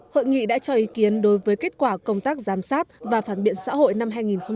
hội nghị đã cho ý kiến đối với kết quả công tác giám sát và phản biện xã hội năm hai nghìn một mươi chín